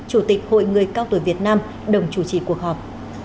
chủ tịch hội người cao tuổi việt nam đồng chủ trì cuộc họp